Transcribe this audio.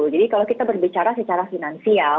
jadi kalau kita berbicara secara finansial